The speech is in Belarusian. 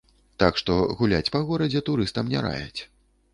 Так што гуляць па горадзе турыстам не раяць.